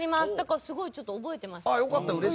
すごい覚えてます。